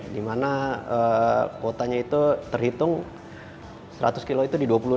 di mana kuotanya itu terhitung seratus kilo itu di dua puluh enam